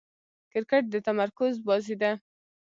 کرکټ د تمرکز بازي ده.